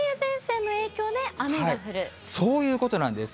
じゃあ、そういうことなんです。